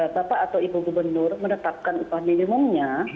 bapak atau ibu gubernur menetapkan upah minimumnya